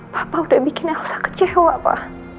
papa udah bikin elsa kecewa pa